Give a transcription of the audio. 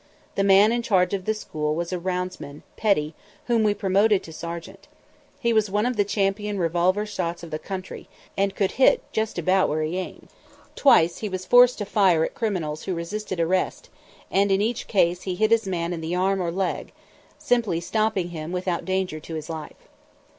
The man in charge of the school was a roundsman, Petty, whom we promoted to sergeant. He was one of the champion revolver shots of the country, and could hit just about where he aimed. Twice he was forced to fire at criminals who resisted arrest, and in each case he hit his man in the arm or leg, simply stopping him without danger to his life.